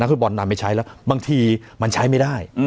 ฟุตบอลนำไปใช้แล้วบางทีมันใช้ไม่ได้